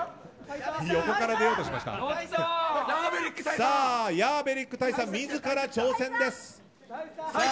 さあ、ヤーベリック大佐自ら挑戦です。